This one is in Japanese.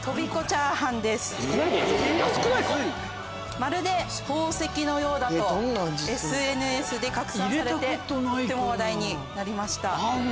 「まるで宝石のようだ」とＳＮＳで拡散されてとても話題になりました。